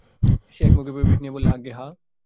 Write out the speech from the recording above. সে এক-মুখ পিঠে নিয়ে বললে, আজ্ঞে হাঁ।